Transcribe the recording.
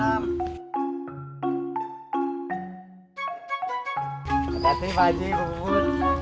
hati hati pak j umur